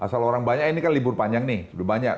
asal orang banyak ini kan libur panjang nih udah banyak